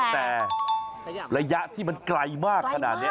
แต่ระยะที่มันไกลมากขนาดนี้